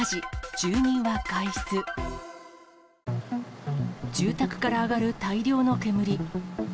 住宅から上がる大量の煙。